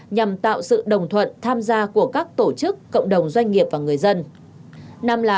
nhằm tạo sự đồng thuận tham gia của các tổ chức cộng đồng doanh nghiệp và người dân